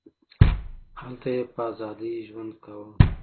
هلته یې په ازادۍ ژوند کاوه.